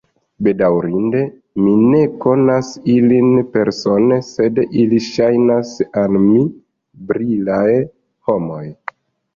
Bedaŭrinde, mi ne konas ilin persone, sed ili ŝajnas al mi brilaj homoj.